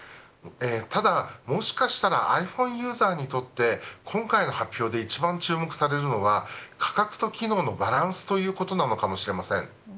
ただ、もしかしたらｉＰｈｏｎｅユーザーにとって今回の発表で一番注目されるのは価格と機能のバランスということなのかもしれません。